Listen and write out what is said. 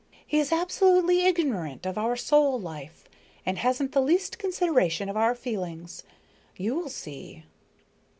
He is absolutely ignorant of our soul life and hasn't the least consideration for our feelings. You'll see."